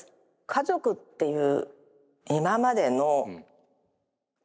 家族っていう今までの定義。